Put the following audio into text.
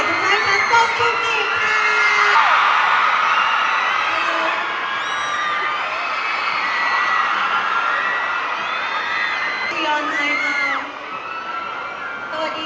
แสดงว่าพูดไทยได้หลายคำล่ะ